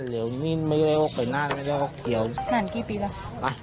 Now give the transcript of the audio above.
นานเดี๋ยวนี่ไม่ได้ออกไปนานไม่ได้ออกไปเดี๋ยว